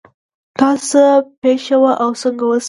دا څه پېښه وه او څنګه وشوه